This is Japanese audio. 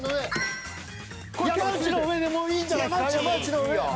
山内の上でもういいんじゃないですか？